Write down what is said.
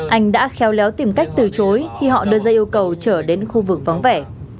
anh đã khéo léo tìm cách từ chối khi họ đưa ra yêu cầu trở đến khu vực vắng vẻ